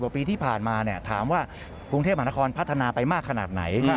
ปีที่ผ่านมาถามว่ากรุงเทพมหานครพัฒนาไปมากขนาดไหน